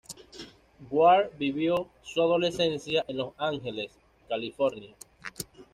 Ward vivió su adolescencia en Los Ángeles, California.